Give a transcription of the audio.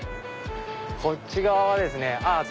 こっち側はですねあっ！